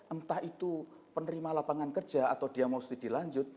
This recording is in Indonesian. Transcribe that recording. entah itu penerima lapangan kerja atau dia mau studi lanjut